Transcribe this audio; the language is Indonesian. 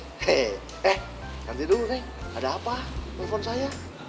he he nanti dulu neng ada apa telepon saya